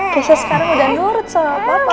kisha sekarang udah nurut sama papa